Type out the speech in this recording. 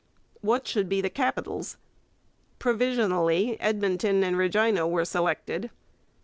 What should be the capitals? Provisionally Edmonton and Regina were selected.